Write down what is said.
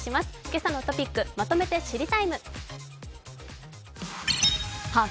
「けさのトピックまとめて知りＴＩＭＥ，」。